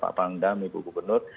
pak pendam ibu gubernur